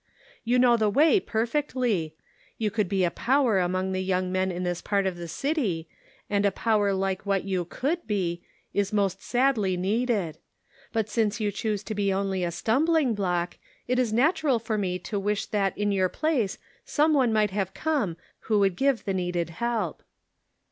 You know the way perfectly ; you could be a power among the young men in this part of the city, and a power like what you could be is most sadly needed ; but since you choose to be only a stumbling block, it is natural for me to wish that in your place some one might have come who would give the needed help."